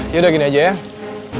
yaudah gini aja ya